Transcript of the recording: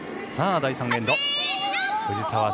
さあ、第３エンド藤澤